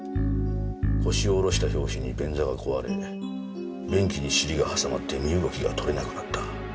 腰を下ろした拍子に便座が壊れ便器に尻が挟まって身動きが取れなくなった。